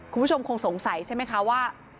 คุณผู้ชมคงสงสัยใช่ไหมคะว่า